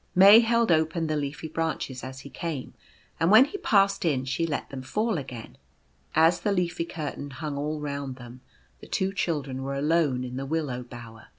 May held open the leafy branches as he came, and when he passed in she let them fall again. As the leafy curtain hung all round them, the two children were alone in the Willow Bower.